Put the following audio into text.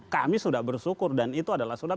kami sudah bersyukur dan itu adalah surat